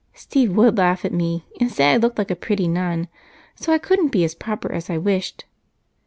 Steve would laugh at me and say I looked like a pretty nun, so I couldn't be as proper as I wished.